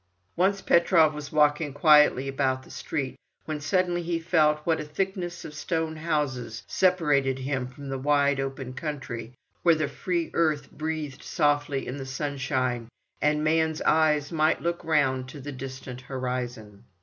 Once Petrov was walking quietly about the street, when suddenly he felt what a thickness of stone houses separated him from the wide, open country, where the free earth breathed softly in the sunshine, and man's eyes might look round to the distant horizon.